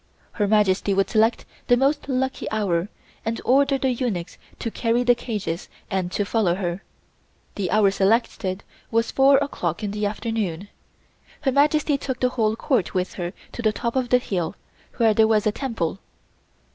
Her Majesty would select the most lucky hour and order the eunuchs to carry the cages and to follow her. The hour selected was four o'clock in the afternoon. Her Majesty took the whole Court with her to the top of the hill, where there was a Temple.